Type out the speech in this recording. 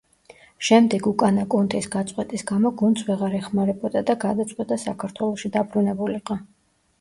შემდეგ უკანა კუნთის გაწყვეტის გამო გუნდს ვეღარ ეხმარებოდა და გადაწყვიტა საქართველოში დაბრუნებულიყო.